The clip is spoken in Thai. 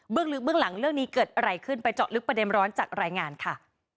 ลึกเบื้องหลังเรื่องนี้เกิดอะไรขึ้นไปเจาะลึกประเด็นร้อนจากรายงานค่ะ